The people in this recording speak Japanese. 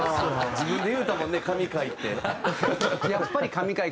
自分で言うたもんね「神回」って。